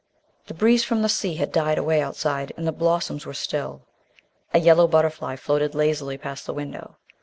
The breeze from the sea had died away outside, and the blossoms were still. A yellow butterfly floated lazily past the window.